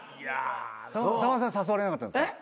さんまさん誘われなかったんですか？